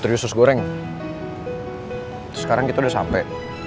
dari sus goreng sekarang kita udah sampai